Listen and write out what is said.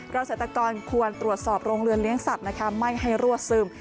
เกษตรกรควรตรวจสอบโรงเรือนเลี้ยงสัตว์นะคะไม่ให้รั่วซึม